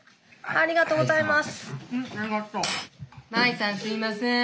ありがとうございます。